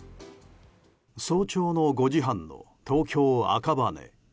早朝の５時半の東京・赤羽。